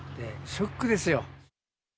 ショックですよ。